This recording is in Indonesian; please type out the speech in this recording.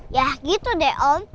ya gitu deh om